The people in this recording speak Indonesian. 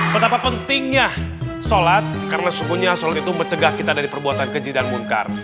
betapa pentingnya solat karena sebetulnya solat itu mencegah kita dari perbuatan keji dan munkar